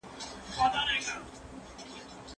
ولي زیارکښ کس د هوښیار انسان په پرتله بریا خپلوي؟